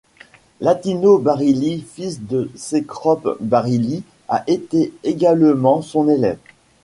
Latino Barilli, fils de Cecrope Barilli, a été également son élève.